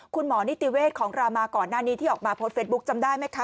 คุณหมอนิติเวศของรามาก่อนหน้านี้ที่ออกมาโพสต์เฟซบุ๊คจำได้ไหมคะ